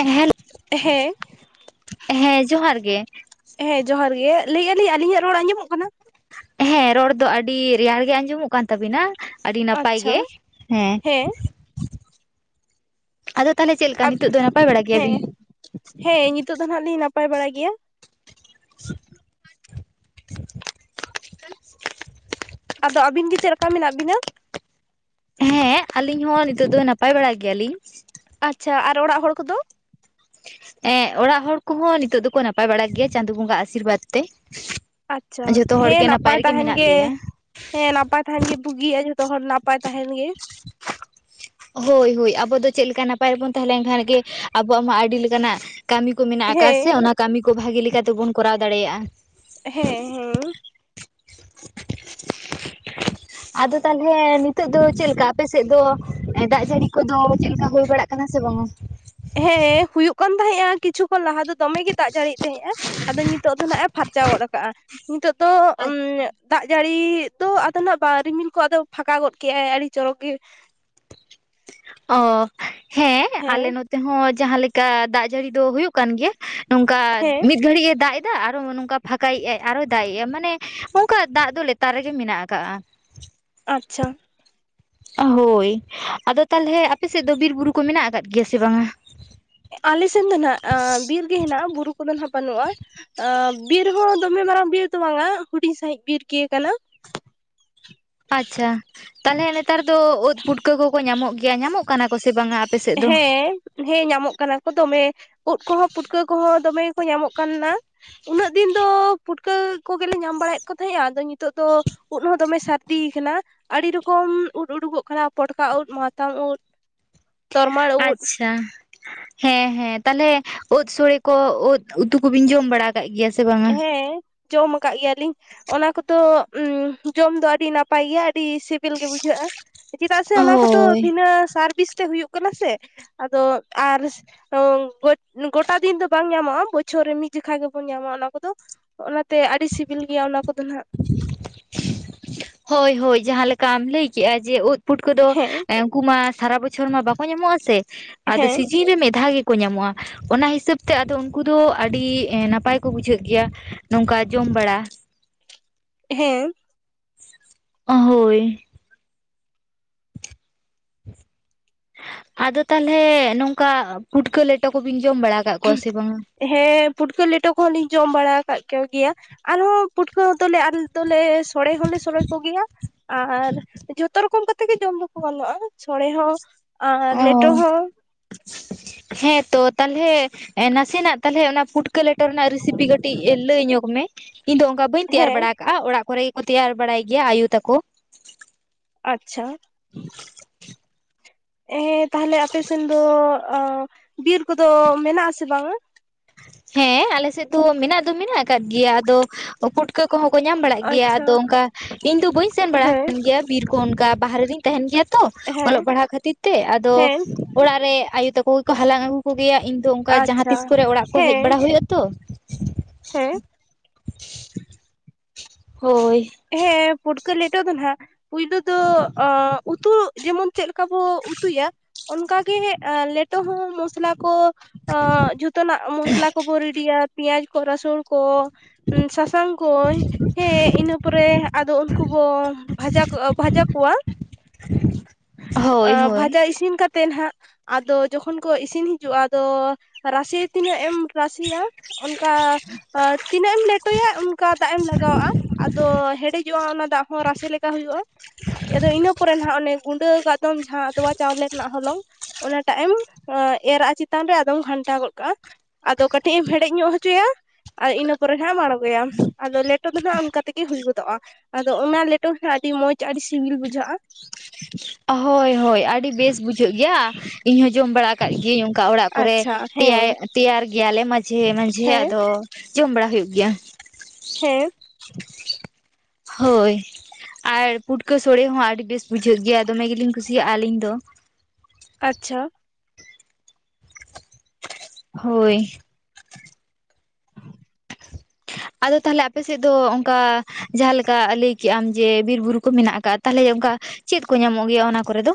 ᱮᱦᱮᱞ [unintelligible] ᱡᱚᱦᱟᱨ ᱜᱮ ᱮᱦᱮᱸ, ᱡᱚᱦᱟᱨ ᱜᱮ ᱾ᱞᱟᱹᱭᱮᱜᱼᱟ ᱞᱤᱧ ᱟᱹᱞᱤᱧᱟᱜ ᱨᱚᱲ ᱟᱸᱡᱚᱢᱚᱜ ᱠᱟᱱᱟ? ᱮᱸ ᱨᱚᱲ ᱫᱚ ᱟᱹᱰᱤ ᱨᱮᱭᱟᱲ ᱜᱮ ᱟᱸᱡᱚᱢᱚᱜ ᱠᱟᱱ ᱛᱟᱵᱤᱱᱟ᱾ ᱟᱹᱰᱤ ᱱᱟᱯᱟᱭ ᱟᱪᱪᱷᱟ ᱜᱮ, ᱦᱮᱸ᱾ ᱟᱫᱚ ᱛᱟᱦᱚᱞᱮ ᱪᱮᱫ ᱞᱮᱠᱟ ᱟᱵ ᱱᱤᱛᱳᱜ ᱫᱚ ᱱᱟᱯᱟᱭ ᱵᱟᱲᱟ ᱜᱮᱭᱟ ᱵᱤᱱ? ᱦᱮᱸ ᱦᱮᱸ, ᱱᱤᱛᱚᱜ ᱫᱚ ᱦᱟᱜ ᱞᱤᱧ ᱱᱟᱯᱟᱭ ᱵᱟᱲᱟ ᱜᱮᱭᱟ᱾ [unintelligible] ᱟᱫᱚ ᱟᱹᱵᱤᱱ ᱜᱮ ᱪᱮᱫ ᱞᱮᱠᱟ ᱢᱮᱱᱟᱜ ᱵᱤᱱᱟ? ᱦᱮᱸ, ᱟᱞᱤᱧ ᱦᱚᱸ ᱱᱤᱛᱚᱜ ᱫᱚ ᱱᱟᱯᱟᱭ ᱵᱟᱲᱟ ᱜᱮᱭᱟ ᱞᱤᱧ᱾ ᱟᱪᱪᱷᱟ, ᱟᱨ ᱚᱲᱟᱜ ᱦᱚᱲ ᱠᱚᱫᱚ? ᱦᱮᱸ, ᱚᱲᱟᱜ ᱦᱚᱲ ᱠᱚᱦᱚᱸ ᱱᱤᱛᱳᱜ ᱫᱚᱠᱚ ᱱᱟᱯᱟᱭ ᱵᱟᱲᱟ ᱜᱮᱭᱟ ᱪᱟᱸᱫᱳ ᱵᱟᱸᱜᱟ ᱟᱥᱤᱨᱵᱟᱫᱽ ᱛᱮ᱾ ᱟᱪᱪᱷᱟ, ᱡᱷᱚᱛᱚ ᱦᱚᱲ ᱦᱮᱸ ᱜᱮ ᱱᱟᱯᱟᱭ ᱨᱮᱜᱮ ᱛᱟᱦᱮᱱ ᱢᱮᱱᱟᱜ ᱜᱮ ᱞᱮᱭᱟ ᱦᱮᱸ, ᱱᱟᱯᱟᱭ ᱛᱟᱦᱮᱱ ᱜᱮ ᱵᱩᱜᱤᱭᱟ, ᱡᱷᱚᱛᱚ ᱦᱚᱲ ᱱᱟᱯᱟᱭ ᱛᱟᱦᱮᱱ ᱜᱮ᱾ [inaudible] ᱦᱳᱭ, ᱦᱳᱭ ᱟᱵᱚ ᱫᱚ ᱪᱮᱫ ᱞᱠᱟ ᱱᱟᱯᱟᱭ ᱨᱮᱵᱚᱱ ᱛᱟᱦᱮᱸ ᱞᱮᱱᱠᱷᱟᱱ ᱜᱮ ᱟᱵᱚᱣᱟᱜ ᱢᱟ ᱟᱹᱰᱤ ᱞᱮᱠᱟᱱᱟᱜ ᱠᱟᱹᱢᱤ ᱠᱚ ᱢᱮᱱᱟᱜ ᱟᱠᱟᱫ ᱥᱮ, ᱦᱮᱸ ᱚᱱᱟ ᱠᱟᱹᱢᱤ ᱠᱚ ᱵᱷᱟᱜᱤ ᱞᱮᱠᱟᱛᱮ ᱵᱚᱱ ᱠᱚᱨᱟᱣ ᱫᱟᱲᱮᱭᱟᱜᱼᱟ᱾ ᱦᱮᱸ, ᱦᱮᱸ᱾ ᱟᱫᱚ ᱛᱟᱦᱚᱞᱮ ᱱᱤᱛᱳᱜ ᱫᱚ ᱪᱮᱫ ᱞᱮᱠᱟ ᱟᱯᱮ ᱥᱮᱫ ᱫᱚ ᱫᱟᱜ ᱡᱟᱹᱲᱤ ᱠᱚᱫᱚ ᱪᱮᱫ ᱞᱮᱠᱟ ᱦᱳᱭ ᱵᱟᱲᱟᱜ ᱠᱟᱱᱟ ᱥᱮ ᱵᱟᱝᱼᱟ? ᱦᱮᱸ, ᱦᱩᱭᱩᱜ ᱠᱟᱱ ᱛᱟᱦᱮᱸᱜᱼᱟ ᱠᱤᱪᱷᱩ ᱠᱷᱚᱱ ᱞᱟᱦᱟ ᱫᱚ ᱫᱚᱢᱮ ᱜᱮ ᱫᱟᱜ ᱡᱟᱹᱲᱤᱭᱮᱫ ᱛᱟᱦᱮᱸᱜᱼᱟ᱾ ᱟᱫᱚ ᱱᱤᱛᱚᱜ ᱫᱚ ᱦᱟᱜ ᱮ ᱯᱷᱟᱨᱪᱟ ᱜᱚᱫ ᱟᱠᱟᱜᱼᱟ, ᱱᱤᱛᱚᱜ ᱫᱚ ᱩ ᱟᱪᱪᱷᱟ ᱫᱟᱜ ᱡᱟᱹᱲᱤ ᱫᱚ ᱟᱫᱚ ᱱᱟᱜ ᱨᱤᱢᱤᱞ ᱠᱚ ᱟᱫᱚ ᱯᱷᱟᱸᱠᱟ ᱜᱚᱫ ᱠᱮᱫᱼᱟᱭ ᱟᱹᱰᱤ ᱪᱚᱨᱚᱠ ᱜᱮ᱾ ᱚ, ᱦᱮᱸ, ᱟᱞᱮ ᱱᱚᱛᱮ ᱦᱚᱸ ᱡᱟᱦᱟᱸ ᱞᱮᱠᱟ ᱫᱟᱜ ᱡᱟᱹᱲᱤ ᱫᱚ ᱦᱩᱭᱩᱜ ᱠᱟᱱ ᱜᱮᱭᱟ᱾ ᱱᱚᱝᱠᱟ ᱦᱮᱸ ᱢᱤᱫ ᱜᱷᱲᱤᱡ ᱮ ᱫᱟᱜ ᱮ ᱫᱟᱜ ᱟᱨᱚ ᱱᱚᱝᱠᱟ ᱯᱷᱟᱸᱠᱟᱭᱮᱜ ᱟᱭ ᱟᱨᱚ ᱫᱟᱜ ᱮᱜ ᱟᱭ ᱢᱟᱱᱮ ᱚᱱᱠᱟ ᱫᱟᱜ ᱫᱚ ᱞᱮᱛᱟᱨ ᱨᱮᱜᱮ ᱢᱮᱱᱟᱜ ᱟᱠᱟᱟᱜᱼᱟ ᱾ ᱟᱪᱪᱷᱟ ᱾ ᱦᱳᱭ ᱟᱫᱚ ᱛᱟᱦᱚᱞᱮ ᱟᱯᱮ ᱥᱮᱫ ᱫᱚ ᱵᱤᱨ ᱵᱩᱨᱩ ᱠᱚ ᱢᱮᱱᱟᱜ ᱟᱠᱟᱫ ᱜᱮᱭᱟ ᱥᱮ ᱵᱟᱝᱟ? ᱟᱞᱮ ᱥᱮᱱ ᱫᱚ ᱱᱟᱜ ᱵᱤᱨ ᱜᱮ ᱦᱮᱱᱟᱜᱼᱟ, ᱵᱩᱨᱩ ᱠᱚᱫᱚ ᱱᱟᱜ ᱵᱟᱹᱱᱩᱜᱼᱟ᱾ ᱟ. ᱵᱤᱨ ᱦᱚᱸ ᱫᱚᱢᱮ ᱢᱟᱨᱟᱝ ᱵᱤᱨ ᱫᱚ ᱵᱟᱝᱟ ᱦᱩᱰᱤᱧ ᱥᱟᱹᱦᱤᱡ ᱵᱤᱨ ᱜᱮ ᱠᱟᱱᱟ᱾ ᱟᱪᱪᱷᱟ᱾ ᱛᱟᱦᱚᱞᱮ ᱱᱮᱛᱟᱨ ᱫᱚ ᱳᱫ ᱯᱩᱴᱠᱟᱹ ᱠᱚᱠᱚ ᱧᱟᱢᱚᱜ ᱜᱮᱭᱟ, ᱧᱟᱢᱚᱜ ᱠᱟᱱᱟ ᱠᱚ ᱥᱮ ᱵᱟᱝᱟ ᱟᱯᱮ ᱥᱮᱫ ᱫᱚ? ᱦᱮᱸ ᱦᱮᱸ, ᱧᱟᱢᱚᱜ ᱠᱟᱱᱟ ᱠᱚ ᱫᱚᱢᱮ ᱩᱫ ᱠᱚᱦᱚᱸ ᱯᱩᱴᱠᱟᱹ ᱠᱚᱦᱚᱸ ᱫᱚᱢᱮ ᱜᱮᱠᱚ ᱧᱟᱢᱚᱜ ᱠᱟᱱᱟ ᱾ ᱩᱱᱟᱹᱜ ᱫᱤᱱ ᱫᱚ ᱯᱩᱴᱠᱟᱹ ᱠᱚᱜᱮᱞᱮ ᱧᱟᱢ ᱵᱟᱲᱟᱭᱮᱫ ᱠᱚ ᱛᱟᱦᱮᱸᱜᱼᱟ ᱟᱫᱚ ᱱᱤᱛᱚᱜ ᱫᱚ ᱩᱫ ᱦᱚᱸ ᱫᱚᱢᱮ ᱥᱟᱨ ᱫᱤ ᱠᱟᱱᱟ ᱟᱹᱰᱤ ᱨᱚᱠᱚᱢ ᱩᱫ ᱩᱰᱩᱠᱚᱜ ᱠᱟᱱᱟ ᱯᱚᱴᱠᱟ ᱩᱫ ᱢᱟᱛᱟᱝ ᱩᱫ ᱛᱚᱨᱢᱟᱞ ᱩᱫ ᱟᱪᱪᱷᱟ ᱦᱮᱸ ᱦᱮᱸ ᱛᱟᱦᱚᱞᱮ ᱩᱫ ᱥᱳᱲᱮ ᱠᱚ ᱩᱫ ᱩᱛᱩ ᱠᱚᱵᱤᱱ ᱡᱚᱢ ᱵᱟᱲᱟ ᱟᱠᱟᱫ ᱜᱮᱭᱟ ᱥᱮ ᱵᱟᱝᱟ? ᱦᱮᱸ ᱾ ᱡᱚᱢ ᱟᱠᱟᱫ ᱜᱮᱭᱟᱞᱤᱧ ᱾ ᱚᱱᱟ ᱠᱚᱫᱚ ᱡᱚᱢ ᱫᱚ ᱟᱹᱰᱤ ᱱᱟᱯᱟᱭ ᱜᱮᱭᱟ ᱟᱹᱰᱤ ᱥᱤᱵᱤᱞ ᱜᱮ ᱵᱩᱡᱷᱟᱹᱜᱼᱟ ᱾ ᱪᱮᱫᱟᱜ ᱥᱮ ᱚᱱᱟ ᱠᱚᱫᱚ ᱦᱳᱭ ᱵᱤᱱᱟᱹ ᱥᱟᱨᱵᱤᱥ ᱛᱮ ᱦᱩᱭᱩᱜ ᱥᱮ ᱟᱫᱚ ᱟᱨ ᱜᱚᱴᱟ ᱫᱤᱱ ᱫᱚ ᱵᱟᱝ ᱧᱟᱢᱚᱜᱼᱟ ᱵᱚᱪᱷᱚᱨ ᱨᱮ ᱢᱤᱫ ᱡᱚᱠᱷᱟ ᱜᱮᱵᱚᱱ ᱧᱟᱢᱟ ᱚᱱᱟ ᱠᱚᱫᱚ ᱚᱱᱟᱛᱮ ᱟᱹᱰᱤ ᱥᱤᱵᱤᱞ ᱜᱮᱭᱟ ᱚᱱᱟ ᱠᱚᱫᱚ ᱱᱟᱦᱟᱸᱜ᱾ ᱦᱳᱭ ᱦᱳᱭ ᱡᱟᱦᱟᱸ ᱞᱮᱠᱟᱢ ᱞᱟᱹᱭ ᱠᱮᱜᱼᱟ ᱡᱮ ᱩᱫ ᱯᱩᱴᱠᱟᱹ ᱫᱚ ᱦᱮᱸ ᱩᱱᱠᱩ ᱢᱟ ᱥᱟᱨᱟ ᱵᱚᱪᱷᱚᱨ ᱢᱟ ᱵᱟᱠᱚ ᱧᱟᱢᱚᱜᱼᱟ ᱥᱮ ᱟᱫᱚ ᱦᱮᱸ ᱥᱤᱡᱤᱱ ᱨᱮ ᱢᱤᱫ ᱫᱷᱟᱣ ᱜᱮ ᱠᱚ ᱧᱟᱢᱚᱜᱼᱟ ᱚᱱᱟ ᱦᱤᱥᱟᱹᱵ ᱛᱮ ᱟᱫᱚ ᱩᱱᱠᱩ ᱫᱚ ᱟᱹᱰᱤ ᱱᱟᱯᱟᱭ ᱠᱚ ᱵᱩᱡᱷᱟᱹᱜ ᱜᱮᱭᱟ ᱾ ᱱᱚᱝᱠᱟ ᱡᱚᱢ ᱵᱟᱲᱟ ᱾ ᱦᱮᱸ ᱾ ᱦᱳᱭ ᱾ ᱟᱫᱚ ᱛᱟᱦᱚᱞᱮ ᱱᱚᱝᱠᱟ ᱯᱷᱩᱴᱠᱟᱹ ᱞᱮᱴᱚ ᱠᱚᱵᱤᱱ ᱡᱚᱢ ᱵᱟᱲᱟ ᱟᱠᱟᱫ ᱠᱚᱣᱟ ᱥᱮ ᱵᱟᱝᱟ? ᱦᱮᱸ ᱯᱩᱴᱠᱟᱹ ᱞᱮᱴᱚ ᱠᱚᱦᱚᱸ ᱞᱤᱧ ᱡᱚᱢ ᱵᱟᱲᱟ ᱟᱠᱟᱫ ᱠᱚ ᱜᱮᱭᱟ ᱾ ᱟᱨᱦᱚᱸ ᱯᱟᱹᱴᱷᱩᱟᱹ ᱫᱚᱞᱮ ᱟᱞᱮ ᱫᱚᱞᱮ ᱥᱚᱲᱮ ᱦᱚᱸᱞᱮ ᱥᱚᱲᱮ ᱠᱚ ᱜᱮᱭᱟ ᱾ ᱟᱨ ᱡᱷᱚᱛᱚ ᱨᱚᱠᱚᱢ ᱠᱟᱛᱮ ᱜᱮ ᱡᱚᱢ ᱫᱚᱠᱚ ᱜᱟᱱᱚᱜᱼᱟ ᱥᱚᱲᱮ ᱦᱚᱸ ᱟᱨ ᱞᱮᱴᱚ ᱦᱚᱸ ᱾ ᱦᱮᱸᱛᱚ ᱛᱟᱞᱦᱮ ᱱᱟᱥᱮ ᱱᱟᱜ ᱛᱟᱞᱦᱮ ᱚᱱᱟ ᱯᱩᱴ ᱯᱩᱴᱠᱟᱹ ᱞᱮᱴᱚ ᱨᱮᱱᱟᱜ ᱨᱮᱥᱤᱯᱤ ᱠᱟᱹᱴᱤᱡ ᱞᱟᱹᱭ ᱧᱚᱜᱽ ᱢᱮ ᱤᱧ ᱫᱚ ᱚᱱᱠᱟ ᱵᱟᱹᱧ ᱛᱮᱭᱟᱨ ᱦᱮᱸ ᱵᱟᱲᱟ ᱠᱟᱜᱼᱟ, ᱚᱲᱟᱜ ᱠᱚᱨᱮ ᱜᱮᱠᱚ ᱛᱮᱭᱟᱨ ᱵᱟᱲᱟᱭ ᱜᱮᱭᱟ ᱟᱭᱩ ᱛᱟᱠᱚ᱾ ᱟᱪᱪᱷᱟ ᱾ ᱦᱮᱸ ᱛᱟᱦᱚᱞᱮ ᱟᱯᱮ ᱥᱮᱱ ᱫᱚ ᱵᱤᱨ ᱠᱚᱫᱚ ᱢᱮᱱᱟᱜ ᱟᱥᱮ ᱵᱟᱝᱟ? ᱦᱮᱸ ᱟᱞᱮ ᱥᱮᱫ ᱫᱚ ᱢᱮᱱᱟᱜ ᱫᱚ ᱢᱮᱱᱟᱜ ᱟᱠᱟᱫ ᱜᱮᱭᱟ, ᱟᱫᱚ ᱯᱷᱩᱴᱠᱟᱹ ᱠᱚᱦᱚᱸ ᱠᱚ ᱧᱟᱢ ᱵᱟᱲᱟᱜ ᱜᱮᱭᱟ, ᱟᱪᱪᱷᱟ ᱟᱫᱚ ᱚᱱᱠᱟ ᱤᱧ ᱫᱚ ᱵᱟᱹᱧ ᱥᱮᱱ ᱵᱟᱲᱟ ᱦᱮᱸ ᱟᱠᱟᱱ ᱜᱮᱭᱟ ᱵᱤᱨ ᱠᱚ ᱚᱱᱠᱟ ᱵᱟᱦᱨᱮ ᱨᱤᱧ ᱛᱟᱦᱮᱱ ᱜᱮᱭᱟ ᱛᱚ᱾ ᱦᱮᱸ ᱚᱞᱚᱜ ᱯᱟᱲᱦᱟᱣ ᱠᱷᱟᱹᱛᱤᱨ ᱛᱮ, ᱟᱫᱚ ᱦᱮᱸ ᱚᱲᱟᱜ ᱨᱮ ᱟᱭᱳ ᱛᱟᱠᱚ ᱜᱮᱠᱚ ᱦᱟᱞᱟᱝ ᱟᱹᱜᱩ ᱠᱚᱜᱮᱭᱟ ᱤᱧ ᱫᱚ ᱚᱱᱠᱟ ᱡᱟᱦᱟᱸ ᱟᱪᱪᱷᱟ ᱛᱤᱥ ᱠᱚᱨᱮ ᱚᱲᱟᱜ ᱠᱚ ᱦᱮᱡ ᱦᱮᱸ ᱵᱟᱲᱟ ᱦᱩᱭᱩᱜᱼᱟ ᱛᱚ᱾ ᱦᱮᱸ ᱾ ᱦᱳᱭ ᱾ ᱦᱮᱸ ᱯᱷᱩᱴᱠᱟᱹ ᱞᱮᱴᱚ ᱫᱚ ᱱᱟᱦᱟᱜ ᱯᱳᱭᱞᱳ ᱫᱚ ᱩᱛᱩ ᱡᱮᱢᱚᱱ ᱪᱮᱫ ᱞᱮᱠᱟ ᱵᱚ ᱩᱛᱩᱭᱟ ᱚᱱᱠᱟ ᱜᱮ ᱞᱮᱴᱚ ᱦᱚᱸ ᱢᱚᱥᱞᱟ ᱠᱚ ᱡᱷᱚᱛᱚᱱᱟᱜ ᱢᱚᱥᱞᱟ ᱠᱚᱵᱚ ᱨᱮᱤᱰᱤᱭᱟ ᱯᱮᱸᱭᱟᱡ ᱠᱚ ᱨᱟᱹᱥᱩᱱ ᱠᱚ ᱥᱟᱥᱟᱝ ᱠᱚ ᱦᱮᱸ ᱤᱱᱟᱹ ᱛᱟᱯᱚᱨᱮ ᱟᱫᱚ ᱩᱱᱠᱩ ᱵᱚ ᱵᱷᱟᱡᱟ ᱠᱚ ᱵᱷᱟᱡᱟ ᱠᱚᱣᱟ ᱾ ᱦᱳᱭ ᱦᱳᱭ ᱵᱷᱟᱡᱟ ᱤᱥᱤᱱ ᱠᱟᱛ ᱛᱮ ᱱᱟᱦᱟᱜ ᱟᱫᱚ ᱡᱚᱠᱷᱚᱱ ᱠᱚ ᱤᱥᱤᱱ ᱦᱤᱡᱩᱜᱼᱟ ᱟᱫᱚ ᱨᱟᱥᱮ ᱛᱤᱱᱟᱹᱜ ᱮᱢ ᱨᱟᱥᱮᱭᱟ ᱚᱱᱠᱟ ᱛᱤᱱᱟᱹᱜ ᱮᱢ ᱞᱮᱴᱚᱭᱟ ᱚᱱᱠᱟ ᱫᱟᱜ ᱮᱢ ᱞᱟᱜᱟᱣᱟᱜᱼᱟ᱾ ᱛᱚ ᱦᱮᱰᱮᱡᱚᱜᱼᱟ ᱚᱱᱟ ᱫᱟᱜ ᱦᱚᱸ ᱨᱟᱥᱮ ᱞᱮᱠᱟ ᱦᱩᱭᱩᱜᱼᱟ, ᱟᱫᱚ ᱤᱱᱟᱹ ᱯᱚᱨᱮ ᱱᱟᱦᱟᱜ ᱚᱱᱮ ᱜᱩᱸᱰᱟᱹ ᱟᱠᱟᱫ ᱫᱚᱢ ᱡᱟᱦᱟᱸ ᱟᱫᱣᱟ ᱪᱟᱣᱞᱮ ᱨᱮᱱᱟᱜ ᱦᱚᱞᱚᱝ ᱚᱱᱟᱴᱟᱜ ᱮᱢ ᱮᱨᱟᱜ-ᱟ ᱪᱮᱛᱟᱱ ᱨᱮ ᱟᱫᱚᱢ ᱜᱷᱟᱱᱴᱟ ᱜᱚᱫ ᱠᱟᱜᱼᱟ ᱟᱫᱚ ᱠᱟᱹᱴᱤᱡ ᱮᱢ ᱦᱮᱰᱮᱡ ᱧᱚᱜ ᱦᱚᱪᱚᱭᱟ ᱟᱨ ᱤᱱᱟᱹ ᱯᱚᱨᱮ ᱦᱟᱸᱜ ᱮᱢ ᱟᱬᱜᱚᱭᱟᱢ ᱟᱫᱚ ᱞᱮᱴᱚ ᱫᱚ ᱱᱟᱜ ᱚᱱᱠᱟ ᱛᱮ ᱜᱮ ᱦᱩᱭ ᱜᱚᱫᱚᱜᱼᱟ᱾ᱟᱫᱚ ᱚᱱᱟ ᱞᱮᱴᱚ ᱜᱮ ᱦᱟᱸᱜ ᱟᱹᱰᱤ ᱢᱚᱸᱡᱽ ᱟᱹᱰᱤ ᱥᱤᱵᱤᱞ ᱵᱩᱡᱷᱟᱹᱜᱼᱟ᱾ ᱦᱳᱭ ᱦᱳᱭ ᱟᱹᱰᱤ ᱵᱮᱥ ᱵᱩᱡᱷᱟᱹᱜ ᱜᱮᱭᱟ᱾ ᱤᱧ ᱦᱚ ᱡᱚᱢ ᱵᱟᱲᱟ ᱟᱠᱟᱫ ᱜᱤᱭᱟᱹᱧ ᱚᱱᱠᱟ ᱚᱲᱟᱜ ᱠᱚᱨᱮ ᱟᱪᱪᱷᱟ ᱦᱮᱸ ᱛᱮᱭᱟᱨ ᱜᱮᱭᱟ ᱞᱮ ᱢᱟᱡᱮ ᱢᱟᱡᱷᱮ ᱢᱟᱡᱷᱮᱟᱜ ᱦᱮᱸ ᱫᱚ ᱡᱚᱢ ᱵᱟᱲᱟ ᱦᱩᱭᱩᱜ ᱜᱮᱭᱟ᱾ ᱦᱮᱸ᱾ ᱦᱳᱭ ᱟᱨ ᱯᱩᱴᱠᱟᱹ ᱥᱳᱲᱮ ᱦᱚᱸ ᱟᱹᱰᱤ ᱵᱮᱥ ᱵᱩᱡᱷᱟᱹᱜ ᱜᱮᱭᱟ ᱫᱚᱢᱮ ᱜᱮᱞᱤᱧ ᱠᱩᱥᱤᱭᱟᱜᱼᱟ ᱟᱹᱞᱤᱧ ᱫᱚ᱾ ᱟᱪᱪᱷᱟ᱾ ᱦᱳᱭ᱾ ᱟᱫᱚ ᱛᱟᱦᱚᱞᱮ ᱟᱯᱮᱥᱮᱫ ᱫᱚ ᱚᱱᱠᱟ ᱡᱟᱦᱟᱸ ᱞᱮᱠᱟ ᱞᱟᱹᱭ ᱠᱮᱜ ᱟᱢ ᱡᱮ ᱵᱤᱨ ᱵᱩᱨᱩ ᱠᱚ ᱢᱮᱱᱟᱜ ᱟᱠᱟᱜᱼᱟ, ᱛᱟᱦᱚᱞᱮ ᱚᱱᱠᱟ ᱪᱮᱫ ᱠᱚ ᱧᱟᱢᱚᱜ ᱜᱮᱭᱟ ᱚᱱᱟ ᱠᱚᱨᱮ ᱫᱚ?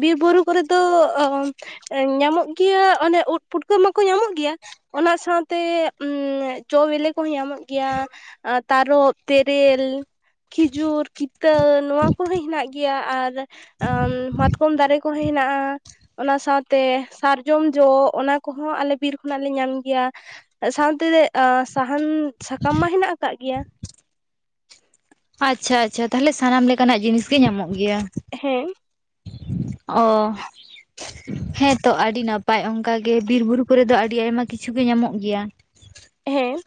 ᱵᱤᱨ ᱵᱩᱨᱩ ᱠᱚᱨᱮ ᱫᱚ ᱧᱟᱢᱚᱜ ᱜᱮᱭᱟ ᱚᱱᱮ ᱩᱫ ᱯᱩᱴᱠᱟᱹ ᱢᱟᱠᱚ ᱧᱟᱢᱚᱜ ᱜᱮᱭᱟ, ᱚᱱᱟ ᱥᱟᱶᱛᱮ ᱪᱚ ᱵᱮᱞᱮ ᱠᱚᱦᱚᱸ ᱧᱟᱢᱚᱜ ᱜᱮᱭᱟ, ᱛᱟᱨᱚᱵ, ᱛᱮᱨᱮᱞ, ᱠᱷᱤᱡᱩᱨ, ᱠᱤᱛᱟᱹ ᱱᱚᱣᱟ ᱠᱚᱦᱚᱸ ᱦᱮᱱᱟᱜ ᱜᱮᱭᱟ᱾ ᱟᱨ ᱢᱟᱛᱠᱚᱢ ᱫᱟᱨᱮ ᱠᱚᱦᱚᱸ ᱦᱮᱱᱟᱜᱼᱟ᱾ ᱚᱱᱟ ᱥᱟᱶᱛᱮ ᱥᱟᱨᱡᱚᱢ ᱡᱚ ᱚᱱᱟ ᱠᱚᱦᱚᱸ ᱟᱞᱮ ᱵᱤᱨ ᱠᱷᱚᱱᱟᱜ ᱞᱮ ᱧᱟᱢ ᱜᱮᱭᱟ᱾ ᱥᱟᱶᱛᱮ ᱥᱟᱦᱟᱱ ᱥᱟᱠᱟᱢ ᱢᱟ ᱦᱮᱱᱟᱜ ᱟᱠᱟᱫ ᱜᱮᱭᱟ᱾ ᱟᱪᱪᱷᱟ ᱟᱪᱪᱷᱟ ᱛᱟᱦᱚᱞᱮ ᱥᱟᱱᱟᱢ ᱞᱮᱠᱟᱱᱟᱜ ᱡᱤᱱᱤᱥ ᱜᱮ ᱧᱟᱢᱚᱜ ᱜᱮᱭᱟ᱾ ᱦᱮᱸ᱾ ᱚ ᱦᱮᱸᱛᱚ ᱟᱹᱰᱤ ᱱᱟᱯ- ᱯᱟᱭ ᱚᱱᱠᱟ ᱜᱮ ᱵᱤᱨ ᱵᱩᱨᱩ ᱠᱚᱨᱮ ᱫᱚ ᱟᱹᱰᱤ ᱟᱭᱢᱟ ᱠᱤᱪᱷᱩ ᱜᱮ ᱧᱟᱢᱚᱜ ᱜᱮᱭᱟ᱾ ᱦᱮᱸ᱾ [inaudible]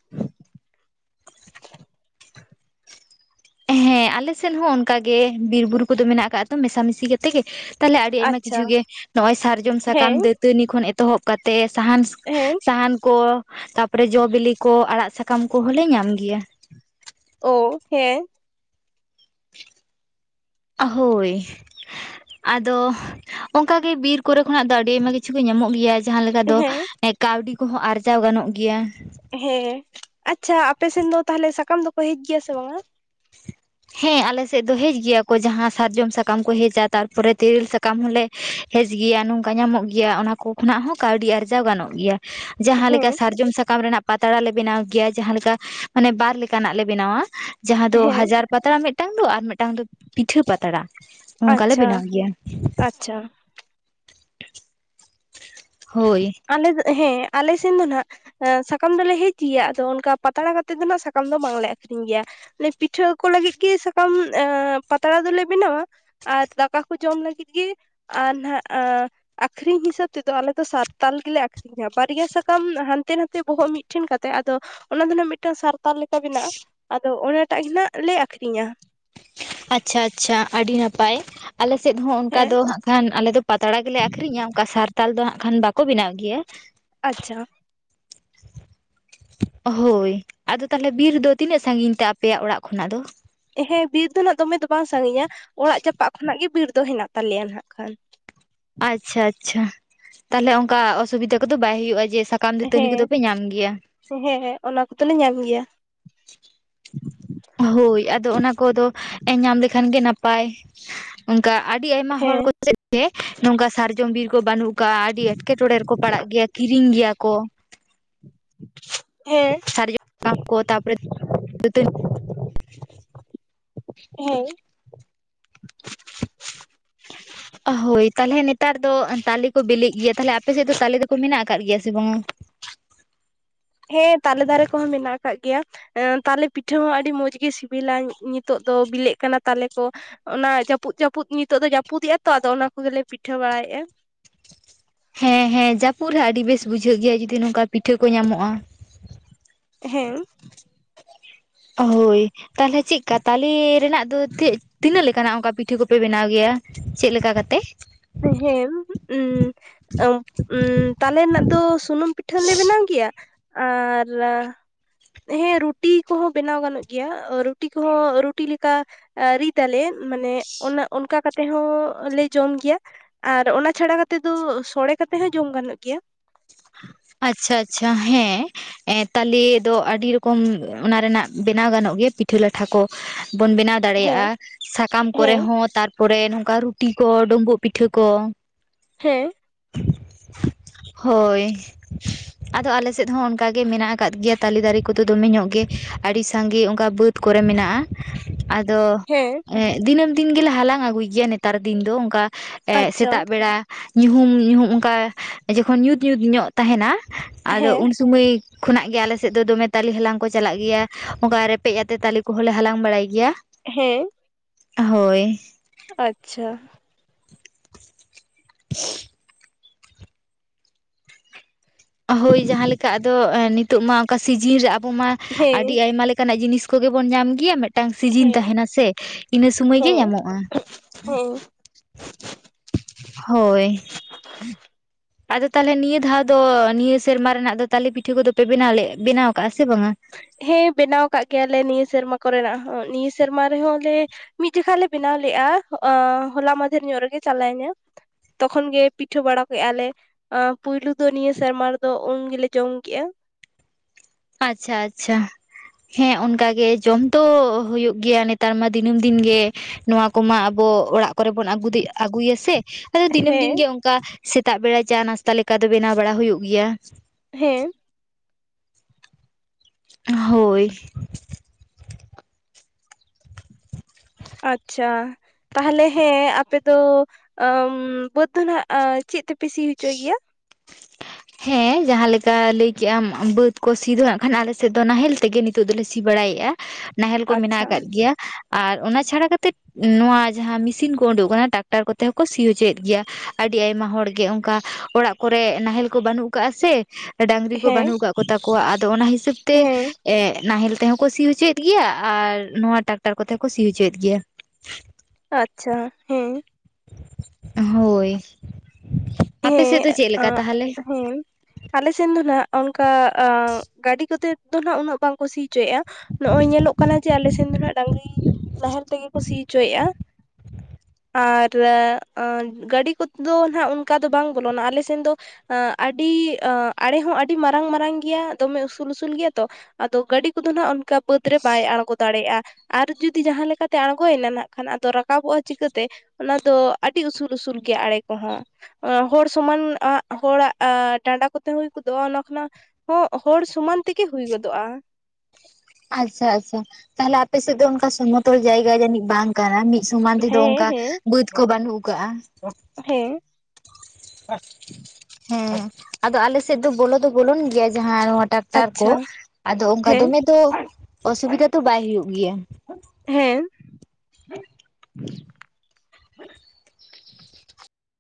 ᱦᱮᱸ ᱟᱞᱮ ᱥᱮᱫ ᱦᱚᱸ ᱚᱱᱠᱟᱜᱮ ᱵᱤᱨᱼᱵᱩᱨᱩ ᱠᱚᱫᱚ ᱢᱮᱱᱟᱜ ᱟᱠᱟᱜ ᱛᱚ ᱢᱮᱥᱟ ᱢᱤᱥᱤ ᱠᱟᱛᱮᱫ ᱜᱮ, ᱛᱟᱦᱚᱞᱮ ᱟᱹᱰᱤ ᱟᱭᱢᱟ ᱟᱪᱪᱷᱟ ᱠᱤᱪᱷᱩ ᱜᱮ ᱱᱚᱜ ᱚᱭ ᱥᱟᱨᱡᱚᱢ ᱥᱟᱠᱟᱢ ᱦᱮᱸ ᱫᱟᱹᱛᱟᱹᱱᱤ ᱠᱷᱚᱱ ᱮᱛᱚᱦᱚᱵ ᱠᱟᱛᱮ ᱥᱟᱦᱟᱱ ᱦᱮᱸ᱾ ᱥᱟᱦᱟᱱ ᱠᱚ ᱛᱟᱯᱚᱨᱮ ᱡᱚ ᱵᱤᱞᱤ ᱠᱚ ᱟᱲᱟᱜ ᱥᱟᱠᱟᱢ ᱠᱚᱦᱚᱸ ᱞᱮ ᱧᱟᱢ ᱜᱮᱭᱟ᱾ ᱚ ᱦᱮᱸ᱾ ᱦᱳᱭ᱾ ᱟᱫᱚ ᱚᱱᱠᱟ ᱜᱮ ᱵᱤᱨ ᱠᱚᱨᱮ ᱠᱷᱚᱱᱟᱜ ᱫᱚ ᱟᱹᱰᱤ ᱟᱭᱢᱟ ᱠᱤᱪᱷᱩ ᱜᱮ ᱧᱟᱢᱚᱜ ᱜᱮᱭᱟ, ᱡᱟᱦᱟᱸ ᱞᱮᱠᱟ ᱫᱚ ᱦᱮᱸ ᱠᱟᱹᱣᱰᱤ ᱠᱚᱦᱚᱸ ᱟᱨᱡᱟᱣ ᱜᱟᱱᱚᱜ ᱜᱮᱭᱟ᱾ ᱦᱮᱸ ᱟᱪᱪᱷᱟ ᱟᱯᱮᱥᱮᱱ ᱫᱚ ᱛᱟᱦᱚᱞᱮ ᱥᱟᱠᱟᱢ ᱫᱚᱠᱚ ᱦᱮᱡ ᱜᱮᱭᱟ ᱥᱮ ᱵᱟᱝᱼᱟ? ᱦᱮᱸ ᱟᱞᱮ ᱥᱮᱫ ᱫᱚ ᱦᱮᱡ ᱜᱮᱭᱟ ᱠᱚ ᱡᱟᱦᱟᱸ ᱥᱟᱨᱡᱚᱢ ᱥᱟᱠᱟᱢ ᱠᱚ ᱦᱮᱡᱼᱟ, ᱛᱟᱨᱯᱚᱨᱮ ᱛᱮᱨᱮᱞ ᱥᱟᱠᱟᱢ ᱦᱚᱸᱞᱮ ᱦᱮᱡ ᱜᱮᱭᱟ ᱧᱟᱢᱚᱜ ᱜᱮᱭᱟ, ᱚᱱᱟ ᱠᱚ ᱠᱷᱚᱱᱟᱜ ᱦᱚᱸ ᱠᱟᱹᱣᱰᱤ ᱟᱨᱡᱟᱣ ᱜᱟᱱᱚᱜ ᱜᱮᱭᱟ᱾ ᱡᱟᱦᱟᱸ ᱞᱮᱠᱟ ᱦᱮᱸ ᱥᱟᱨᱡᱚᱢ ᱥᱟᱠᱟᱢ ᱨᱮᱱᱟᱜ ᱯᱟᱛᱲᱟ ᱞᱮ ᱵᱮᱱᱟᱣ ᱜᱮᱭᱟ ᱡᱟᱦᱟᱸ ᱞᱮᱠᱟ ᱢᱟᱱᱮ ᱵᱟᱨ ᱞᱮᱠᱟᱱᱟᱜ ᱞᱮ ᱵᱮᱱᱟᱣᱼᱟ, ᱡᱟᱸᱦᱟ ᱫᱚ ᱦᱮᱸ ᱦᱟᱡᱟᱨ ᱯᱟᱛᱲᱟ ᱢᱤᱫᱴᱟᱝ ᱫᱚ ᱟᱨ ᱢᱤᱫᱴᱟᱝ ᱫᱚ ᱯᱤᱴᱷᱟᱹ ᱯᱟᱛᱲᱟ ᱱᱚᱝᱠᱟ ᱞᱮ ᱟᱪᱪᱷᱟ ᱵᱮᱱᱟᱣ ᱜᱮᱭᱟ᱾ ᱟᱪᱪᱷᱟ ᱦᱳᱭ ᱟᱞᱮ ᱫᱚ ᱦᱮᱸ ᱟᱞᱮ ᱥᱮᱱ ᱫᱚ ᱱᱟᱜᱼᱼ ᱮᱸ ᱥᱟᱠᱟᱢ ᱫᱚᱞᱮ ᱦᱮᱡ ᱜᱮᱭᱟ ᱟᱫᱚ ᱚᱱᱠᱟ ᱯᱟᱛᱲᱟ ᱠᱟᱛᱮᱜ ᱫᱚ ᱱᱟᱜ ᱥᱟᱠᱟᱢ ᱫᱚ ᱵᱟᱝᱞᱮ ᱟᱠᱷᱨᱤᱧ ᱜᱮᱭᱟ᱾ ᱮ ᱯᱤᱴᱷᱟᱹ ᱠᱚ ᱞᱟᱹᱜᱤᱫ ᱜᱮ ᱥᱟᱠᱟᱢ ᱮ ᱯᱟᱛᱲᱟ ᱫᱚᱞᱮ ᱵᱮᱱᱟᱣᱟ᱾ ᱟᱨ ᱫᱟᱠᱟ ᱠᱚ ᱡᱚᱢ ᱞᱟᱹᱜᱤᱫ ᱜᱮ ᱟᱨ ᱱᱟᱦᱱᱟᱜ ᱟᱠᱷᱨᱤᱧ ᱦᱤᱥᱟᱹᱵ ᱛᱮᱫᱚ ᱟᱞᱮ ᱫᱚ ᱥᱟᱛᱼᱼ ᱛᱟᱞ ᱜᱮᱞᱮ ᱟᱠᱷᱨᱤᱧᱟ ᱵᱟᱨᱭᱟ ᱥᱟᱠᱟᱢ ᱦᱟᱱᱛᱮ ᱱᱟᱛᱮ ᱵᱚᱦᱚᱜ ᱢᱤᱫᱴᱷᱮᱱ ᱠᱟᱛᱮᱜ ᱟᱫᱚ ᱚᱱᱟ ᱫᱚᱱᱟᱜ ᱢᱤᱫᱴᱟᱝ ᱥᱟᱨᱼᱼ ᱛᱟᱨ ᱞᱮᱠᱟ ᱢᱮᱱᱟᱜᱼᱟᱱᱟᱜ ᱟᱫᱚ ᱚᱱᱟᱴᱟᱜ ᱜᱮ ᱱᱟᱜ ᱞᱮ ᱟᱠᱠᱷᱨᱤᱧᱟ᱾ ᱟᱪᱪᱷᱟ ᱟᱪᱪᱷᱟ ᱟᱹᱰᱤ ᱱᱟᱯᱟᱭ᱾ ᱟᱞᱮᱥᱮᱫ ᱦᱚᱸ ᱚᱱᱠᱟ ᱦᱮᱸ ᱫᱚ ᱦᱟᱸᱜ ᱠᱷᱟᱱ ᱟᱞᱮ ᱫᱚ ᱯᱟᱛᱲᱟ ᱜᱮᱞᱮ ᱟᱠᱷᱨᱤᱧᱟ ᱚᱱᱠᱟ ᱥᱟᱨᱛᱟᱞ ᱫᱚ ᱦᱟᱸᱜ ᱠᱷᱟᱱ ᱵᱟᱼᱼ ᱠᱚ ᱵᱮᱱᱟᱣ ᱜᱮᱭᱟ᱾ ᱟᱪᱪᱷᱟ [unintelligible] ᱦᱳᱭ ᱟᱫᱚ ᱛᱟᱦᱚᱞᱮ ᱵᱤᱨ ᱫᱚ ᱛᱤᱱᱟᱹᱜ ᱥᱟᱺᱜᱤᱧ ᱛᱮ ᱟᱯᱮᱭᱟᱜ ᱚᱲᱟᱜ ᱠᱷᱚᱱᱟᱜ ᱫᱚ? ᱦᱮᱸ ᱵᱤᱨ ᱫᱚ ᱱᱟᱜ ᱫᱚᱢᱮ ᱫᱚ ᱵᱟᱝ ᱥᱟᱺᱜᱤᱧᱟ ᱚᱲᱟᱜ ᱪᱟᱯᱟᱜ ᱠᱷᱚᱱᱟᱜ ᱜᱮ ᱵᱤᱨ ᱫᱚ ᱦᱮᱱᱟᱜ ᱛᱟᱞᱮᱭᱟ ᱱᱟᱜ ᱠᱷᱟᱱ ᱾ ᱟᱪᱪᱷᱟ ᱟᱪᱪᱷᱟ ᱛᱟᱞᱦᱮ ᱚᱱᱠᱟ ᱚᱥᱩᱵᱤᱫᱷᱟ ᱠᱚᱫᱚ ᱵᱟᱭ ᱦᱩᱭᱩᱜᱼᱟ ᱡᱮ ᱥᱟᱠ ᱠᱟᱢ ᱫᱟᱹᱛᱟᱹᱱᱤ ᱠᱚᱫᱚ ᱯᱮ ᱧᱟᱢ ᱜᱮᱭᱟ ᱾ ᱦᱮᱸ ᱦᱮᱸ ᱚᱱᱟ ᱠᱚᱫᱚᱞᱮ ᱧᱟᱢ ᱜᱮᱭᱟ ᱾ [unintelligible] ᱦᱳᱭ ᱟᱫᱚ ᱚᱱᱟ ᱠᱚᱫᱚ ᱮᱸ ᱧᱟᱢ ᱞᱮᱠᱷᱟᱱ ᱜᱮ ᱱᱟᱯᱟᱭ ᱾ ᱩᱝᱠᱟ ᱟᱹᱰᱤ ᱟᱭᱢᱟ ᱦᱚᱲ ᱠᱚ ᱦᱮᱸ ᱥᱮᱫ ᱛᱮ ᱱᱚᱝᱠᱟ ᱥᱟᱨᱡᱚᱢ ᱵᱤᱨ ᱠᱚ ᱵᱟᱹᱱᱩᱜ ᱠᱟ ᱟᱹᱰᱤ ᱮᱸᱴᱠᱮᱴᱚᱬᱮ ᱨᱮᱠᱚ ᱯᱟᱲᱟᱜ ᱜᱮᱭᱟ ᱠᱤᱨᱤᱧ ᱜᱮᱭᱟ ᱠᱚ ᱾ ᱦᱮᱸ ᱟᱠ ᱠᱚ ᱛᱟᱯᱚᱨᱮᱫ ᱦᱮᱸ ᱦᱳᱭ ᱛᱟᱞᱦᱮ ᱱᱮᱛᱟᱨ ᱫᱚ ᱛᱟᱞᱮ ᱠᱚ ᱵᱤᱞᱤᱜ ᱜᱮᱭᱟ ᱛᱟᱞᱦᱮ ᱟᱯᱮ ᱥᱮᱫ ᱫᱚ ᱛᱟᱞᱮ ᱫᱚᱠᱚ ᱢᱮᱱᱟᱜ ᱠᱟᱜ ᱜᱮᱭᱟ ᱥᱮ ᱵᱟᱝᱼᱟ? ᱦᱮᱸ ᱛᱟᱞᱮ ᱫᱟᱨᱮ ᱠᱚᱦᱚᱸ ᱢᱮᱱᱟᱜ ᱟᱠᱟᱫ ᱜᱮᱭᱟ ᱾ ᱮᱱ ᱛᱟᱞᱮ ᱯᱤᱴᱷᱟᱹ ᱦᱚᱸ ᱟᱹᱰᱤ ᱢᱚᱸᱡᱽ ᱜᱮ ᱥᱤᱵᱤᱞᱟ ᱱᱤᱛᱚᱜ ᱫᱚ ᱵᱤᱞᱤᱜ ᱠᱟᱱᱟ ᱛᱟᱞᱮ ᱠᱚ ᱾ ᱚᱱᱟ ᱡᱟᱹᱯᱩᱫ ᱡᱟᱹᱯᱤᱫ ᱱᱤᱛᱚᱜ ᱫᱚ ᱡᱟᱹᱯᱩᱫ ᱤᱭᱟ ᱛᱚ ᱟᱫᱚ ᱚᱱᱟ ᱠᱚᱜᱮᱞᱮ ᱯᱤᱴᱷᱟᱹ ᱵᱟᱲᱟᱭ ᱮᱼᱟ ᱾ ᱦᱮᱸ ᱦᱮᱸ ᱡᱟᱹᱯᱩᱫ ᱨᱮ ᱟᱹᱰᱤ ᱵᱮᱥ ᱵᱩᱡᱷᱟᱹᱜ ᱜᱮᱭᱟ ᱡᱩᱫᱤ ᱱᱚᱝᱠᱟ ᱯᱤᱴᱷᱟᱹ ᱠᱚ ᱧᱟᱢᱚᱜᱼᱟ ᱾ ᱦᱮᱢ ᱦᱳᱭ ᱛᱟᱞᱦᱮ ᱪᱮᱜᱠᱟ ᱛᱟᱞᱮ ᱨᱮᱱᱟᱜ ᱫᱚ ᱛᱷᱮᱛ ᱛᱤᱱᱟᱹᱜ ᱞᱮᱠᱟᱱᱟᱜ ᱚᱱᱠᱟ ᱯᱤᱴᱷᱟᱹ ᱠᱚᱵ ᱯᱮ ᱵᱮᱱᱟᱣ ᱜᱮᱭᱟ ᱪᱮᱫ ᱞᱮᱠᱟ ᱠᱟᱛᱮ? ᱦᱮᱢ ᱩᱸ ᱚᱢᱵ ᱩᱸ ᱛᱟᱞᱮ ᱱᱟᱜ ᱫᱚ ᱥᱩᱱᱩᱢ ᱯᱤᱴᱷᱟᱹ ᱞᱮ ᱵᱮᱱᱟᱣ ᱜᱮᱭᱟ ᱾ ᱟᱨ ᱨᱟ ᱦᱮᱸ ᱨᱩᱴᱤ ᱠᱚᱦᱚᱸ ᱵᱮᱱᱟᱣ ᱜᱟᱱᱚᱜ ᱜᱮᱭᱟ ᱨᱩᱴᱤ ᱠᱚᱦᱚᱸ ᱨᱩᱴᱤ ᱞᱮᱠᱟ ᱟᱹ ᱨᱤᱫᱟᱞᱮ ᱢᱟᱱᱮ ᱚᱱᱚ ᱚᱱᱠᱟ ᱠᱟᱛᱮᱜ ᱦᱚᱸ ᱞᱮ ᱡᱚᱢ ᱜᱮᱭᱟ ᱾ ᱟᱨ ᱚᱱᱟ ᱪᱷᱟᱲᱟ ᱠᱟᱛᱮᱫ ᱫᱚ ᱥᱳᱲᱮ ᱠᱟᱛᱮ ᱦᱚᱸ ᱡᱚᱢ ᱜᱟᱱᱚᱜ ᱜᱮᱭᱟ ᱾ ᱟᱪᱪᱷᱟ ᱟᱪᱪᱷᱟ ᱦᱮᱸ ᱮᱸ ᱛᱟᱞᱮ ᱫᱚ ᱟᱹᱰᱤ ᱨᱚᱠᱚᱢ ᱚᱱᱟ ᱨᱮᱱᱟᱜ ᱵᱮᱱᱟᱣ ᱜᱟᱱᱚᱜ ᱜᱮᱭᱟ ᱯᱤᱴᱷᱟᱹ ᱞᱟᱴᱷᱟ ᱠᱚ ᱵᱚᱱ ᱵᱮᱱᱟᱣ ᱫᱟᱲᱮᱭᱟᱜᱼᱟ ᱦᱮᱸ ᱥᱟᱠᱟᱢ ᱠᱚᱨᱮ ᱦᱮᱸ ᱦᱚᱸ ᱛᱟᱨᱯᱚᱨᱮ ᱱᱚᱝᱠᱟ ᱨᱩᱴᱤ ᱠᱚ ᱰᱳᱵᱚᱜ ᱯᱤᱴᱷᱟᱹ ᱠᱚ ᱦᱮᱸ ᱦᱳᱭ ᱟᱫᱚ ᱟᱞᱮᱥᱮᱫ ᱦᱚᱸ ᱚᱱᱠᱟ ᱜᱮ ᱢᱮᱱᱟᱜ ᱟᱠᱟᱫ ᱜᱮᱭᱟ ᱛᱟᱞᱮ ᱫᱟᱨᱮ ᱠᱚᱫᱚ ᱫᱚᱢᱮ ᱧᱚᱜ ᱜᱮ ᱟᱹᱰᱤ ᱥᱟᱸᱜᱮ ᱚᱱᱠᱟ ᱵᱟᱹᱫᱽ ᱠᱚᱨᱮ ᱢᱮᱱᱟᱜᱼᱟ ᱾ ᱟᱫᱚ ᱦᱮᱸ ᱫᱤᱱᱟᱹᱢ ᱫᱤᱱ ᱜᱮᱞᱮ ᱦᱟᱞᱟᱝ ᱟᱹᱜᱩᱭ ᱜᱮᱭᱟ ᱱᱮᱛᱟᱨ ᱫᱤᱱ ᱫᱚ ᱚᱱᱠᱟ ᱮᱜ ᱟᱪᱪᱷᱟ ᱥᱮᱛᱟᱜ ᱵᱮᱲᱟ ᱧᱩᱦᱩᱢ ᱧᱩᱦᱩᱢ ᱚᱝᱠᱟ ᱡᱚᱠᱷᱚᱱ ᱧᱩᱛ ᱧᱩᱛ ᱧᱚᱜ ᱛᱟᱦᱮᱱᱟ ᱟᱫᱚ ᱦᱮᱸ ᱩᱱ ᱛᱩᱢᱚᱭ ᱠᱷᱚᱱᱟᱜ ᱜᱮ ᱟᱞᱮ ᱥᱮᱫ ᱫᱚ ᱫᱚᱢᱮ ᱛᱟᱞᱮ ᱦᱟᱞᱟᱝ ᱠᱚ ᱪᱟᱞᱟᱜ ᱜᱮᱭᱟ ᱚᱱᱠᱟ ᱨᱮᱯᱮᱡ ᱟᱛᱮᱜ ᱛᱟᱞᱮ ᱠᱚ ᱠᱚᱦᱚᱸ ᱞᱮ ᱦᱟᱞᱟᱝ ᱵᱟᱲᱟᱭ ᱜᱮᱭᱟ ᱾ ᱦᱮᱸ ᱦᱳᱭ ᱟᱪᱪᱷᱟ [unintelligible] ᱦᱳᱭ ᱡᱟᱦᱟᱸᱞᱮᱠᱟ ᱟᱫᱚ ᱮᱸ ᱱᱤᱛᱚᱜ ᱢᱟ ᱚᱱᱠᱟ ᱥᱤᱡᱤᱱ ᱨᱮ ᱟᱵᱚ ᱢᱟ ᱟᱹᱰᱤ ᱦᱮᱸ ᱟᱭᱢᱟ ᱞᱮᱠ ᱠᱟᱱᱟᱜ ᱡᱤᱱᱤᱥ ᱠᱚᱜᱮ ᱵᱚᱱ ᱧᱟᱢ ᱜᱮᱭᱟ ᱢᱤᱫᱴᱟᱝ ᱥᱤᱡᱤᱱ ᱦᱮᱸ ᱛᱟᱦᱮᱱᱟ ᱥᱮ ᱤᱱᱟᱹ ᱥᱩᱢᱟᱭ ᱜᱮ ᱧᱟᱢᱚᱜᱼᱟ᱾ ᱦᱩᱸ ᱦᱳᱭ ᱟᱫᱚ ᱛᱟᱞᱮ ᱱᱤᱭᱟᱹ ᱫᱷᱟᱣ ᱫᱚ ᱱᱤᱭᱟᱹ ᱥᱮᱨᱢᱟ ᱨᱮᱱᱟᱜ ᱫᱚ ᱛᱟᱞᱮ ᱯᱤᱴᱷᱟᱹ ᱠᱚᱫᱚ ᱯᱮ ᱵᱮᱱᱟᱣ ᱞᱮ ᱵᱮᱱᱟᱣ ᱠᱟᱜᱼᱟ ᱥᱮ ᱵᱟᱝᱼᱟ? ᱦᱮᱸ ᱵᱮᱱᱟᱣ ᱠᱟᱜ ᱜᱮᱭᱟᱞᱮ ᱱᱤᱭᱟᱹ ᱥᱮᱨᱢᱟ ᱠᱚᱨᱮᱱᱟᱜ ᱦᱚᱸ ᱱᱤᱭᱟᱹ ᱥᱮᱨᱢᱟ ᱨᱮᱦᱚᱸ ᱞᱮ ᱢᱤᱫ ᱡᱮᱠᱷᱟ ᱞᱮ ᱵᱮᱱᱟᱣ ᱞᱮᱜᱼᱟ ᱚ ᱦᱚᱞᱟ ᱢᱟᱫᱷᱮᱨ ᱧᱚᱜ ᱨᱮᱜᱮ ᱪᱟᱞᱟᱧᱟ ᱛᱚᱠᱷᱚᱱ ᱜᱮ ᱯᱤᱴᱷᱟᱹ ᱵᱟᱲᱟ ᱠᱮᱜᱟ ᱞᱮ ᱟᱸ ᱯᱩᱭᱞᱩ ᱫᱚ ᱱᱤᱭᱟᱹ ᱥᱮᱨᱢᱟ ᱨᱮᱫᱚ ᱩᱱ ᱜᱮᱞᱮ ᱡᱚᱢ ᱠᱮᱜᱼᱟ ᱾ ᱟᱪᱪᱷᱟ ᱟᱪᱪᱷᱟ ᱦᱮᱸ ᱚᱱᱠᱟ ᱜᱮ ᱡᱚᱢ ᱫᱚ ᱦᱩᱭᱩᱜ ᱜᱮᱭᱟ ᱱᱮᱛᱟᱨ ᱢᱟ ᱫᱤᱱᱟᱹᱢ ᱫᱤᱱ ᱜᱮ ᱱᱚᱣᱟ ᱠᱚᱢᱟ ᱟᱹᱵᱚ ᱚᱲᱟᱜ ᱠᱚᱨᱮ ᱵᱩᱱ ᱟᱹᱜᱩ ᱫᱮ ᱟᱹᱜᱩᱭᱟᱥᱮ ᱟᱫᱚ ᱫᱤᱱᱟᱹᱢ ᱫᱤᱱ ᱦᱮᱸ ᱜᱮ ᱚᱝᱠᱟ ᱥᱮᱛᱟᱜ ᱵᱮᱲᱟ ᱪᱟ ᱱᱟᱥᱛᱟ ᱞᱮᱠᱟ ᱫᱚ ᱵᱮᱱᱟᱣ ᱵᱟᱲᱟ ᱦᱩᱭᱩᱜ ᱜᱮᱭᱟ᱾ ᱦᱮᱸ ᱦᱳᱭ [unintelligible] ᱟᱪᱪᱷᱟ ᱛᱟᱦᱚᱞᱮ ᱦᱮᱸ ᱟᱯᱮ ᱫᱚ ᱵᱟᱹᱫᱽ ᱫᱚ ᱱᱟᱦᱟᱸᱜ ᱪᱮᱫ ᱛᱮᱯᱮ ᱥᱤ ᱦᱚᱪᱚᱭ ᱜᱮᱭᱟ? ᱦᱮᱸ ᱡᱟᱦᱟᱸ ᱞᱮᱠᱟ ᱞᱟᱹᱭ ᱠᱮᱜ ᱟᱢ ᱵᱟᱹᱫᱽ ᱠᱚ ᱥᱤ ᱫᱚ ᱦᱟᱸᱜ ᱠᱷᱟᱱ ᱟᱞᱮ ᱥᱮᱫ ᱫᱚ ᱱᱟᱦᱮᱞ ᱛᱮᱜᱮ ᱱᱤᱛ ᱱᱤᱛᱚᱜ ᱫᱚᱞᱮ ᱥᱤ ᱵᱟᱲᱟᱭᱮᱫ-ᱟ ᱱᱟᱦᱮᱞ ᱠᱚ ᱟᱪᱪᱷᱟ ᱢᱮᱱᱟᱜ ᱠᱟᱜ ᱜᱮᱭᱟ ᱟᱨ ᱚᱱᱟ ᱪᱷᱟᱰᱟ ᱠᱟᱛᱮᱫ ᱱᱚᱶᱟ ᱡᱟᱦᱟᱸ ᱢᱤᱥᱤᱱ ᱠᱚ ᱩᱰᱩᱠ ᱠᱟᱱᱟ ᱴᱟᱠᱴᱟᱨ ᱠᱚᱛᱮ ᱦᱚᱸᱠᱚ ᱥᱤ ᱚᱪᱚᱭᱮᱫ ᱜᱮᱭᱟ ᱟᱹᱰᱤ ᱟᱭᱢᱟ ᱦᱚᱲᱜᱮ ᱚᱝᱠᱟ ᱚᱲᱟᱜ ᱠᱚᱨᱮ ᱱᱟᱦᱮᱞ ᱠᱚ ᱵᱟᱹᱱᱩᱜ ᱠᱟᱜ-ᱟ ᱥᱮ ᱰᱟᱝᱨᱤ ᱠᱚ ᱦᱮᱸ ᱵᱟᱹᱱᱩᱜ ᱠᱟᱜ ᱠᱚᱛᱟ ᱠᱚᱣᱟ ᱟᱫᱚ ᱚᱱᱟ ᱦᱤᱥᱟᱹᱵᱽ ᱛᱮ ᱦᱮᱸ ᱮᱸᱜ ᱱᱟᱦᱮᱞ ᱛᱮᱦᱚᱸ ᱠᱚ ᱥᱤ ᱚᱪᱚᱭᱮᱫ ᱜᱮᱭᱟ ᱟᱨ ᱱᱚᱣᱟ ᱴᱟᱠᱴᱟᱨ ᱠᱚᱛᱮ ᱦᱚᱸ ᱠᱚ ᱥᱤ ᱦᱚᱪᱚᱭᱮᱫ ᱜᱮᱭᱟ᱾ ᱟᱪᱪᱷᱟ ᱦᱮᱸ ᱦᱳᱭ ᱟᱯᱮ ᱥᱮᱫ ᱦᱮᱸ ᱫᱚ ᱪᱮᱫ ᱞᱮᱠᱟ ᱟᱸ ᱛᱟᱦᱚᱞᱮ? ᱦᱮᱸ ᱟᱞᱮ ᱥᱮᱱ ᱫᱚ ᱱᱟᱦᱟᱜ ᱚᱱᱠᱟ ᱟᱸ ᱜᱟᱹᱰᱤ ᱠᱚᱛᱮ ᱫᱚ ᱱᱟᱦᱟᱜ ᱩᱱᱟᱹᱜ ᱵᱟᱝ ᱠᱚ ᱥᱤ ᱦᱚᱪᱚᱭᱮᱫ-ᱟ ᱱᱚᱜ-ᱚᱭ ᱧᱮᱞᱚᱜ ᱠᱟᱱᱟ ᱡᱮ ᱟᱞᱮ ᱥᱮᱱ ᱫᱚ ᱱᱟᱦᱟᱜ ᱰᱟᱝᱨᱤ ᱱᱟᱦᱮᱞ ᱛᱮᱜᱮ ᱠᱚ ᱥᱤ ᱚᱪᱚᱭᱮᱫ-ᱟ ᱟᱨ ᱟᱨ ᱜᱟᱹᱰᱤ ᱠᱚᱫᱚ ᱱᱟᱦᱟᱸᱜ ᱚᱱᱠᱟ ᱫᱚ ᱵᱟᱝ ᱵᱚᱞᱚᱱᱟ ᱟᱞᱮ ᱥᱮᱱ ᱫᱚ ᱟᱸ ᱟᱹᱰᱤ ᱟ ᱟᱲᱮ ᱦᱚᱸ ᱟᱹᱰᱤ ᱢᱟᱨᱟᱝ ᱢᱟᱨᱟᱝ ᱜᱮᱭᱟ ᱫᱚᱢᱮ ᱩᱥᱩᱞ ᱩᱥᱩᱞ ᱜᱮᱭᱟ ᱛᱚ ᱟᱫᱚ ᱜᱟᱹᱰᱤ ᱠᱚᱫᱚ ᱱᱟᱦᱟᱸᱜ ᱚᱱᱠᱟ ᱵᱟᱹᱫᱽ ᱨᱮ ᱵᱟᱭ ᱟᱬᱜᱚ ᱫᱟᱲᱮᱜ-ᱟ᱾ ᱟᱨ ᱡᱩᱫᱤ ᱡᱟᱦᱟᱸ ᱞᱮᱠᱟᱛᱮ ᱟᱬᱜᱚᱭᱮᱱᱟ ᱱᱟᱜ ᱠᱷᱟᱱ ᱟᱫᱚ ᱨᱟᱠᱟᱵᱚᱜ-ᱟ ᱪᱤᱠᱟᱹᱛᱮ? ᱚᱱᱟ ᱫᱚ ᱟᱹᱰᱤ ᱩᱥᱩᱞ ᱩᱥᱩᱞ ᱜᱮᱭᱟ ᱟᱲᱮ ᱠᱚᱦᱚᱸ᱾ ᱟᱸ ᱦᱚᱲ ᱥᱚᱢᱟᱱ ᱟᱸᱜ ᱦᱚᱲᱟᱜ ᱟᱸ ᱰᱟᱸᱰᱟ ᱠᱚᱛᱮ ᱦᱩᱭ ᱜᱚᱫᱚᱜ-ᱟ ᱚᱱᱟ ᱠᱷᱚᱱᱟᱜ ᱦᱚᱸ ᱦᱚᱲ ᱥᱚᱢᱟᱱ ᱛᱮᱜᱮ ᱦᱩᱭ ᱜᱚᱫᱚᱜ-ᱟ᱾ ᱟᱪᱪᱷᱟ ᱟᱪᱪᱷᱟ, ᱛᱟᱦᱚᱞᱮ ᱟᱯᱮ ᱥᱮᱫ ᱫᱚ ᱚᱱᱠᱟ ᱥᱚᱢᱚᱛᱚᱞ ᱡᱟᱭᱜᱟ ᱡᱟᱹᱱᱤᱡ ᱵᱟᱝ᱾ ᱠᱟᱨᱚᱱ ᱢᱤᱫ ᱥᱚᱢᱟᱱ ᱛᱮᱫᱚ ᱦᱮᱸ ᱚᱝᱠᱟ ᱦᱮᱸ ᱵᱟᱹᱫᱽ ᱠᱚ ᱵᱟᱹᱱᱩᱜ ᱠᱟᱜ-ᱟ᱾ ᱦᱮᱸ᱾ ᱦᱮᱸ, ᱟᱫᱚ ᱟᱞᱮ ᱥᱮᱫ ᱫᱚ ᱵᱚᱞᱚ ᱫᱚ ᱵᱚᱞᱚᱱ ᱜᱮᱭᱟ ᱡᱟᱦᱟᱸ ᱱᱚᱶᱟ ᱰᱟᱠᱴᱟᱨ ᱠᱚ ᱟᱪᱪᱷᱟ ᱟᱫᱚ ᱚᱱᱠᱟ ᱦᱮᱸ ᱫᱚᱢᱮ ᱫᱚ ᱚᱥᱩᱵᱤᱫᱷᱟ ᱫᱚ ᱵᱟᱭ ᱦᱩᱭᱩᱜ ᱜᱮᱭᱟ᱾ ᱦᱮᱸ᱾ [inaudible]